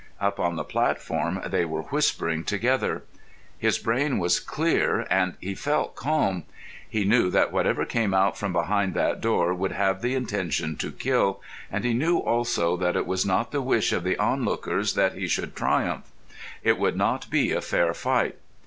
Up on the platform they were whispering together. His brain was clear, and he felt calm. He knew that whatever came out from behind that door would have the intention to kill. And he knew, also, that it was not the wish of the onlookers that he should triumph. It would not be a fair fight.